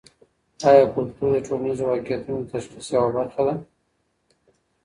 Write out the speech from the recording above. ایا کلتور د ټولنیزو واقعیتونو د تشخیص یوه برخه ده؟